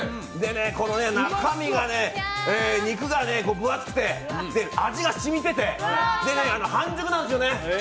中身が肉が分厚くて味が染みてて、半熟なんですよね。